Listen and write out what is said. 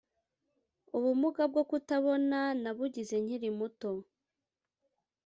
ubumuga bwo kutabona nabugize nkiri muto